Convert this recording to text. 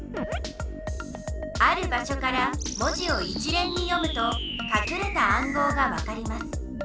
ある場所から文字を一れんに読むとかくれた暗号がわかります。